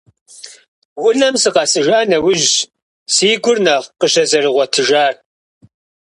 Унэм сыкъэсыжа нэужьщ си гур нэхъ къыщызэрыгъуэтыжар.